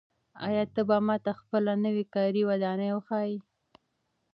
آیا ته به ماته خپله نوې کاري ودانۍ وښایې؟